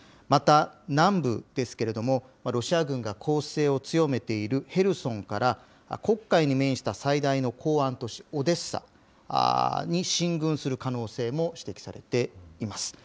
また南部ですけれども、ロシア軍が攻勢を強めているヘルソンから、黒海に面した最大の港湾都市、オデッサに進軍する可能性も指摘されています。